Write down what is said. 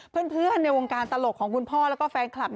เพื่อนในวงการตลกของคุณพ่อแล้วก็แฟนคลับ